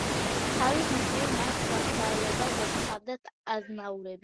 თავის მხრივ მათ ვასალებად ჰყავდათ აზნაურები.